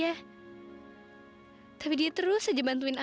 aku udah banyak banget buat malu dan ngecewain dia